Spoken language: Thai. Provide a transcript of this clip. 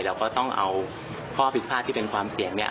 เราก็ต้องเอาข้อผิดพลาดที่เป็นความเสี่ยงเนี่ย